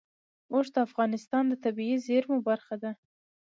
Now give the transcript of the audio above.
اوښ د افغانستان د طبیعي زیرمو برخه ده.